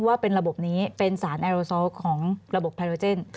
ว่าเป็นระบบนี้เป็นสารแอโรซอลของระบบไพโรเจน